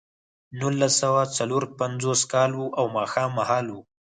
نولس سوه څلور پنځوس کال و او ماښام مهال و